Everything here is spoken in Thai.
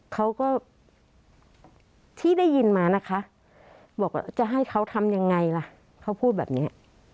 เขาก็ที่ได้ยินมานะคะบอกว่าจะให้เขาทำยังไงล่ะเขาพูดแบบนี้